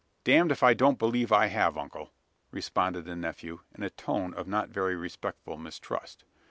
"Damned if I don't believe I have, uncle!" responded the nephew, in a tone of not very respectful mistrust.